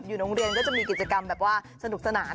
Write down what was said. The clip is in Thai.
โรงเรียนก็จะมีกิจกรรมแบบว่าสนุกสนาน